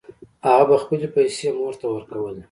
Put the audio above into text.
هغه به خپلې پیسې مور ته ورکولې